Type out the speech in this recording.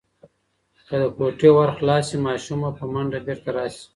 که د کوټې ور خلاص شي، ماشوم به په منډه بیرته راشي.